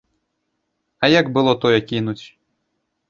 А як было тое кінуць?